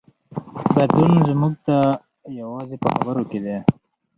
بدلون موږ ته یوازې په خبرو کې دی.